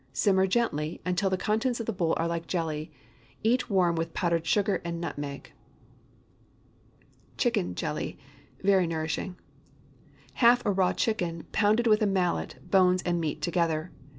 Simmer gently, until the contents of the bowl are like jelly. Eat warm with powdered sugar and nutmeg. CHICKEN JELLY. (Very nourishing.) ✠ Half a raw chicken, pounded with a mallet, bones and meat together.